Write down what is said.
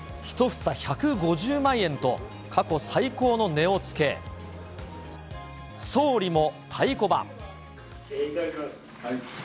１房１５０万円と、過去最高の値を付け、総理も太鼓判。